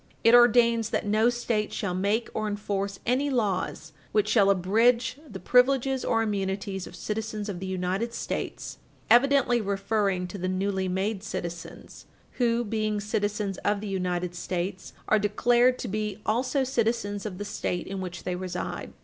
It ordains that no State shall make or enforce any laws which shall abridge the privileges or immunities of citizens of the United States (evidently referring to the newly made citizens, who, being citizens of the United States, are declared to be also citizens of the State in which they reside).